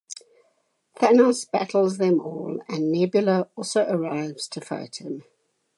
Thanos battles them all and Nebula also arrives to fight him.